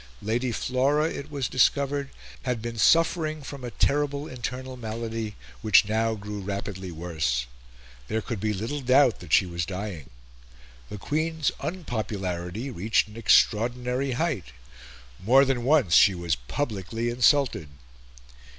Lady Flora, it was discovered, had been suffering from a terrible internal malady, which now grew rapidly worse. There could be little doubt that she was dying. The Queen's unpopularity reached an extraordinary height. More than once she was publicly insulted.